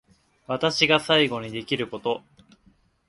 私が最後にできること